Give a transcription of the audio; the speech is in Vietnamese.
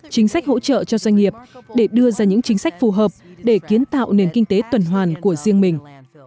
chính sách hỗ trợ cho doanh nghiệp để đưa ra những chính sách phù hợp để kiến tạo nền kinh tế tuần hoàn của riêng mình